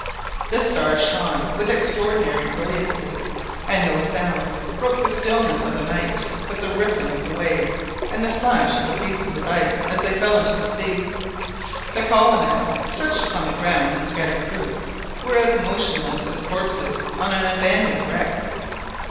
The stars shone with extraordinary brilliancy, and no sounds broke the stillness of the night but the rippling of the waves and the splash of pieces of ice as they fell into the sea. The colonists, stretched upon the ground in scattered groups, were as motionless as corpses on an abandoned wreck.